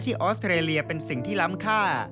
รอบสุดท้ายที่ออสเตรเลียเป็นสิ่งที่ล้ำค่า